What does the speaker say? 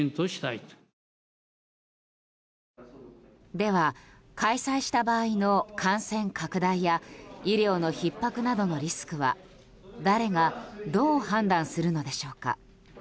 では、開催した場合の感染拡大や医療のひっ迫などのリスクは誰がどう判断するのでしょうか。